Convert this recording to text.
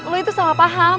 lo itu salah paham